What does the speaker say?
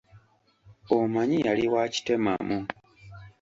Omanyi yali wa kitemamu.